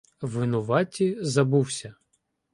— Винуваті Забувся.